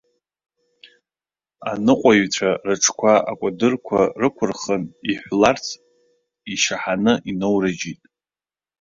Аныҟәаҩцәа рыҽқәа акәадырқәа рықәырхын, иҳәларц ишьаҳаны иноурыжьит.